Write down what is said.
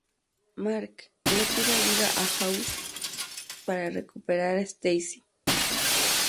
Mark le pide ayuda a House para recuperar a Stacy.